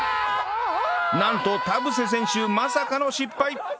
なんと田臥選手まさかの失敗！